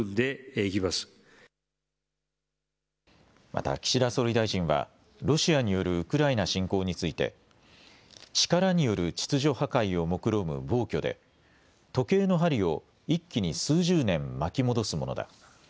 また岸田総理大臣はロシアによるウクライナ侵攻について力による秩序破壊をもくろむ暴挙で時計の針を一気に数十年巻き戻すものだ。